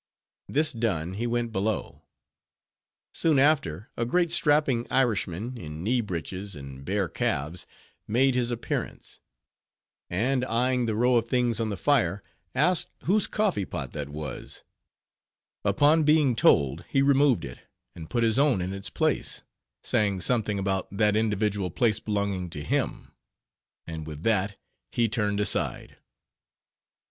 This done, he went below. Soon after a great strapping Irishman, in knee breeches and bare calves, made his appearance; and eying the row of things on the fire, asked whose coffee pot that was; upon being told, he removed it, and put his own in its place; saying something about that individual place belonging to him; and with that, he turned aside.